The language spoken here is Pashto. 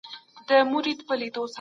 پوښتنه سمه ده.